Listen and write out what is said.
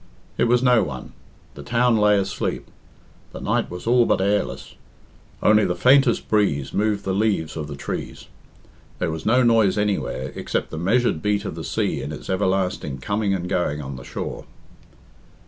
It was no one; the town lay asleep; the night was all but airless; only the faintest breeze moved the leaves of the trees; there was no noise anywhere, except the measured beat of the sea in its everlasting coming and going on the shore.